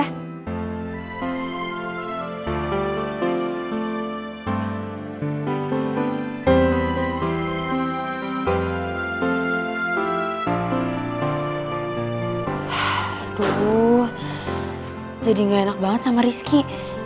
aduh jadi gak enak banget sama rizky